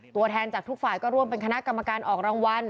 ตัวแทนจากทุกฝ่ายก็ร่วมเป็นคณะกรรมการออกรางวัล